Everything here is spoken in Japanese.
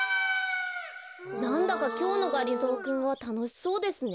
なんだかきょうのがりぞーくんはたのしそうですね。